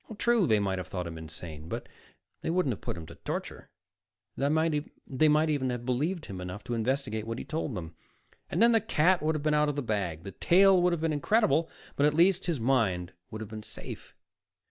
True, they might have thought him insane, but they wouldn't have put him to torture. They might even have believed him enough to investigate what he told them, and then the cat would have been out of the bag. The tale would have been incredible, but at least his mind would have been safe.